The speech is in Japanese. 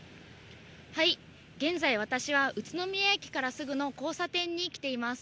現在、私は宇都宮駅からすぐの交差点に来ています。